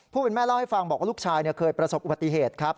แม่เล่าให้ฟังบอกว่าลูกชายเคยประสบอุบัติเหตุครับ